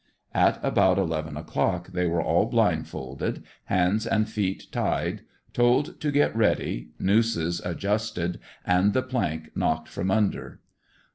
At about eleven o'clock thj were all blindfolded, hands and feet tied, told to get ready, nooses adjusted and the plank knocked from under.